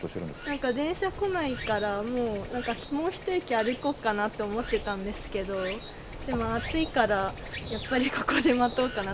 何か電車来ないからもう一駅歩こうかなと思ってたんですけどでも暑いからやっぱりここで待とうかなって。